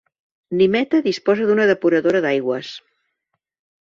Nimeta disposa d'una depuradora d'aigües.